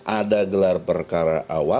ada gelar perkara awal